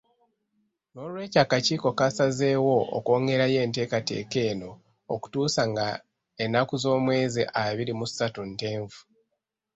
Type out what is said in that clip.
N'olwekyo akakiiko kasazeewo okwongerayo enteekateeka eno okutuusa nga ennaku z'omwezi abiri mu satu Ntenvu